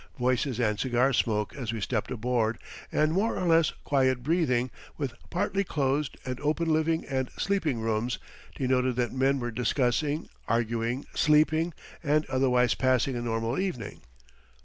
Voices and cigar smoke as we stepped aboard, and more or less quiet breathing, with partly closed and open living and sleeping rooms, denoted that men were discussing, arguing, sleeping, and otherwise passing a normal evening.